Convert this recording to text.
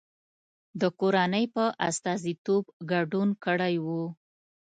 د کورنۍ په استازیتوب ګډون کړی و.